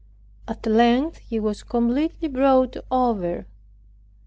At length he was completely brought over.